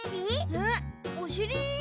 えっおしり？